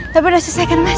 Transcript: tapi udah selesai kan mas